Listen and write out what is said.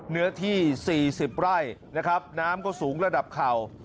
เนื้อที่๔๐ไร่นะครับน้ำก็สูงระดับเข่า